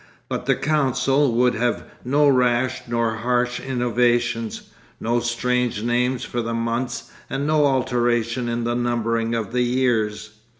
But the council would have no rash nor harsh innovations, no strange names for the months, and no alteration in the numbering of the years.